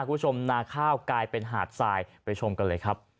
คุณผู้ชมนาข้าวกลายเป็นหาดทรายไปชมกันเลยครับ